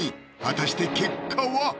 果たして結果は？